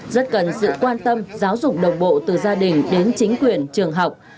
rất cần sự quan tâm giáo dục đồng bộ từ gia đình đến chính quyền trường học